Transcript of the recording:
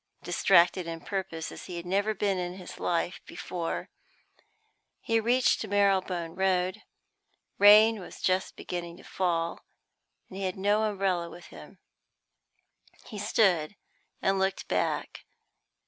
Distracted in purpose as he had never been in his life before, he reached Marylebone Road; rain was just beginning to fall, and he had no umbrella with him. He stood and looked back.